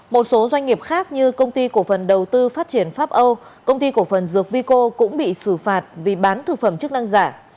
một số doanh nghiệp khác như công ty cổ phần đầu tư phát triển pháp âu công ty cổ phần dược vico cũng bị xử phạt vì bán thực phẩm chức năng giả